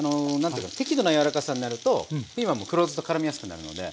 適度なやわらかさになるとピーマンも黒酢とからみやすくなるので。